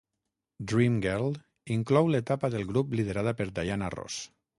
"Dreamgirl" inclou l'etapa del grup liderada per Diana Ross.